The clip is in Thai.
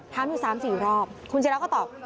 ถามอยู่๓๔รอบคุณศิราก็ตอบ